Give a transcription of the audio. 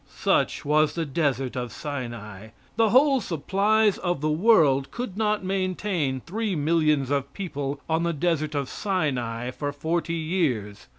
Such was the desert of Sinai. The whole supplies of the world could not maintain three millions of people on the desert of Sinai for forty years.